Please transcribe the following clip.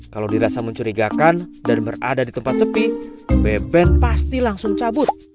kalau dirasa mencurigakan dan berada di tempat sepi beben pasti langsung cabut